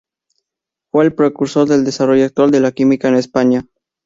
Fue el precursor del desarrollo actual de la Química en España.